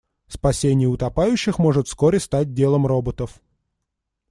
Спасение утопающих может вскоре стать делом роботов.